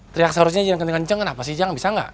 teraksak harusnya jangan kencan kencan rusak